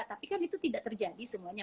tapi kan itu tidak terjadi semuanya